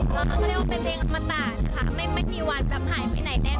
ก็เรียกว่าเป็นเพลงอมตะนะคะไม่มีวันหายไปไหนแน่นอนเลยค่ะ